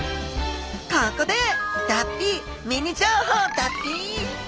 ここで脱皮ミニ情報だっぴ！